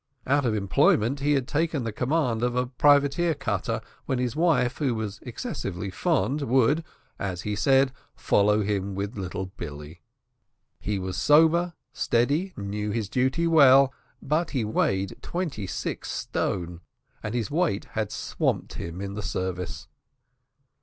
Out of employment, he had taken the command of a privateer cutter, when his wife who was excessively fond, would, as he said, follow him with little Billy. He was sober, steady, knew his duty well; but he weighed twenty six stone, and his weight had swamped him in the service.